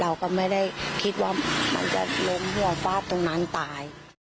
เราก็ไม่ได้คิดว่ามันจะล้มหัวฟาดตรงนั้นตาย